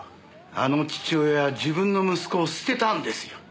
あの父親は自分の息子を捨てたんですよ。